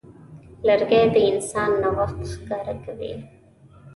لرګی د انسان نوښت ښکاره کوي.